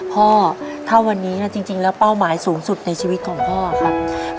พ่อถ้าวันนี้จริงแล้วเป้าหมายสูงสุดในชีวิตของพ่อครับ